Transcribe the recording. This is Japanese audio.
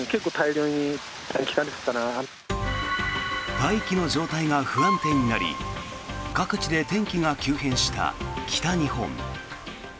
大気の状態が不安定になり各地で天気が急変した北日本。